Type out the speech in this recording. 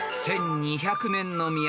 ［１，２００年の都